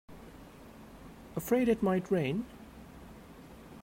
Afraid it might rain?